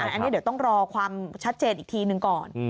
อันนี้เดี๋ยวต้องรอความชัดเจนอีกทีหนึ่งก่อน